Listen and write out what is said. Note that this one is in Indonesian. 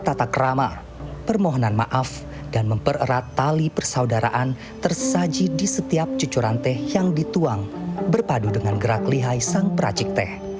tata kerama permohonan maaf dan mempererat tali persaudaraan tersaji di setiap cucuran teh yang dituang berpadu dengan gerak lihai sang peracik teh